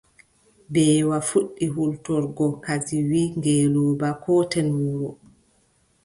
Mbeewa fuɗɗi hultorgo kadi, wiʼi ngeelooba: kooten wuro.